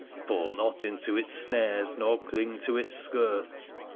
Fall not into its snares, nor cling to its skirts.